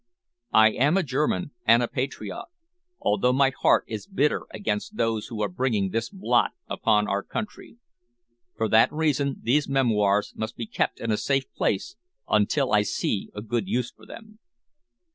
I am a German and a patriot, although my heart is bitter against those who are bringing this blot upon our country. For that reason, these memoirs must be kept in a safe place until I see a good use for them."